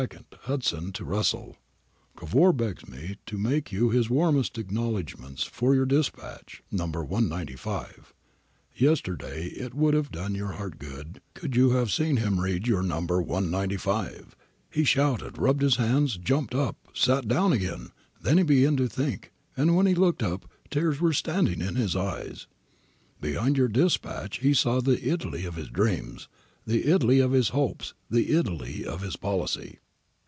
Hudson to Russell. ' Cavour begs me to make to you his warmest acknowledg I 314 APPENDIX A merits for your dispatch No. 195. ... Yesterday it would have done your heart good could you have seen him read your No. 195. He shouted, rubbed his hands, jumped up, sat down again, then he began to think, and when he looked up tears were standing in his eyes. Behind your dispatch he saw the Italy of his dreams, the Italy of his hopes, the Italy of his policy.'